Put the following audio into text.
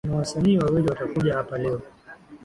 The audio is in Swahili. Kuna wasanii wawili watakuja hapa leo